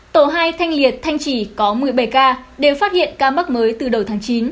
tổ hai thanh liệt thanh trì có một mươi bảy ca đều phát hiện ca mắc mới từ đầu tháng chín